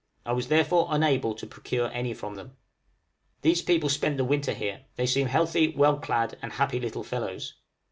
I was therefore unable to procure any from them. These people spent the winter here; they seemed healthy, well clad, and happy little fellows.